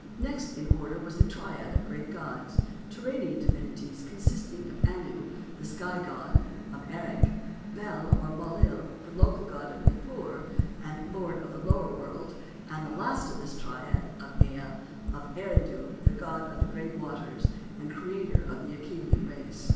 Next in order, was a triad of great gods, Turanian divinities, consisting of Anu, the Sky God of Erech; Bel, or Mul lil, the local god of Nippur, the Lord of the lower world, and last in this triad, of Ea, of Eridu, the god of the great waters, and creator of the Accadean race.